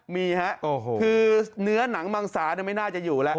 มีฮะคือเนื้อหนังมังสาไม่น่าจะอยู่แล้ว